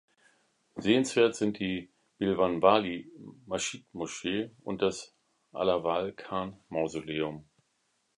Sehenswert sind die Bilwanwali-Masjid-Moschee und das Alawal-Khan-Mausoleum.